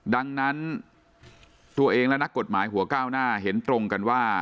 ดังนั้นตัวเองและนักกฎหมายหัวก้าวหน้าเห็นตรงกันว่า